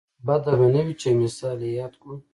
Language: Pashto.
بده به نه وي چې یو مثال یې یاد کړو.